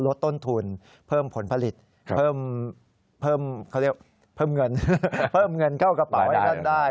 ลดต้นทุนเพิ่มผลผลิตเพิ่มเงินเข้ากระเป๋าให้ท่านได้